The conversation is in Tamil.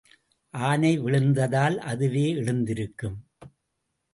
ஆனை விழுந்தால் அதுவே எழுந்திருக்கும்.